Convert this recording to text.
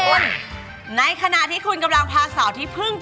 แล้วคุณพูดกับอันนี้ก็ไม่รู้นะผมว่ามันความเป็นส่วนตัวซึ่งกัน